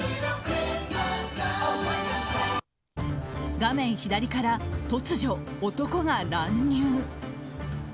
画面左から、突如、男が乱入。